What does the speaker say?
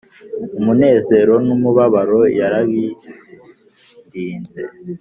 Umunezero n’umubabaro yarabindinze